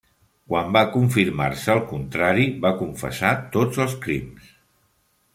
Quan va confirmar-se el contrari, va confessar tots els crims.